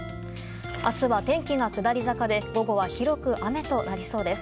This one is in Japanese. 明日は天気が下り坂で午後は広く雨となりそうです。